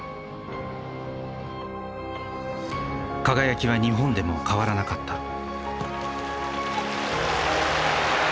輝きは日本でも変わらなかった。